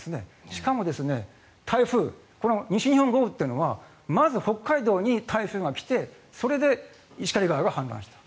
しかも、台風この西日本豪雨というのはまず北海道に台風が来てそれで石狩川が氾濫した。